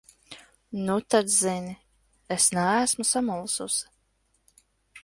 Nu tad zini: es neesmu samulsusi.